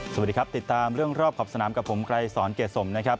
สวัสดีครับติดตามเรื่องรอบขอบสนามกับผมไกรสอนเกรสมนะครับ